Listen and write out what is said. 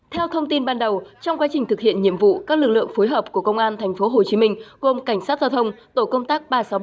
theo thông tin ban đầu trong quá trình thực hiện nhiệm vụ các lực lượng phối hợp của công an tp hcm gồm cảnh sát giao thông tổ công tác ba trăm sáu mươi ba